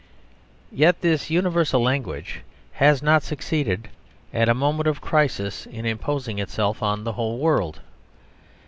Yet this universal language has not succeeded, at a moment of crisis, in imposing itself on the whole world.